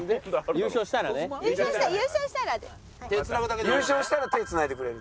優勝したら手繋いでくれる。